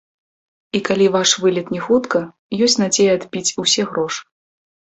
І калі ваш вылет не хутка, ёсць надзея адбіць усе грошы.